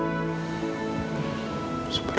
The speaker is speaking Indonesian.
terima kasih ya mas